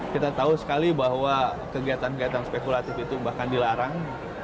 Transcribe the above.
kita tahu sekali bahwa kegiatan kegiatan spekulatif itu bahkan dilarang